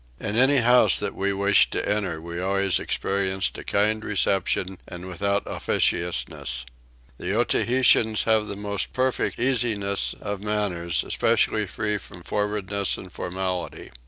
In any house that we wished to enter we always experienced a kind reception and without officiousness. The Otaheiteans have the most perfect easiness of manners, equally free from forwardness and formality.